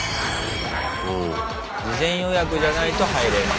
事前予約じゃないと入れない。